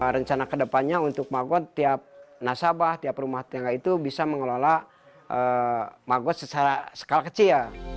rencana kedepannya untuk magot tiap nasabah tiap rumah tinggal itu bisa mengelola magot secara kecil